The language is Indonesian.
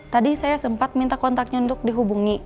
tadi saya sempat minta kontaknya untuk dihubungi